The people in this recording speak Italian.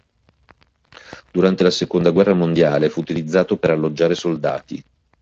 Durante la seconda guerra mondiale fu utilizzato per alloggiare soldati.